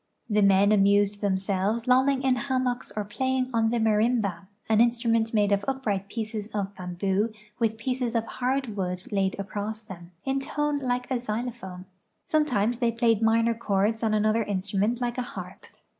The men amused themselves lolling in hammocks or ])laying on the marimba, an instrument made of upright pieces of bamboo with pieces of hard wood laid across them, in tone like a xyloplione. Sometimes they played minor chords on another instrument like a harp.